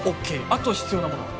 あと必要なものは？